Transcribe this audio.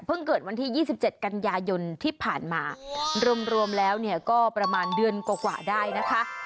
เกิดวันที่๒๗กันยายนที่ผ่านมารวมแล้วเนี่ยก็ประมาณเดือนกว่าได้นะคะ